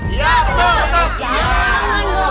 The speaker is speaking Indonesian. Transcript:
iya betul betul